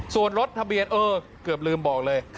ส่วนรถทะเบียนเออเกือบลืมบอกเลย